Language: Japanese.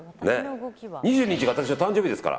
２２日が私の誕生日ですから。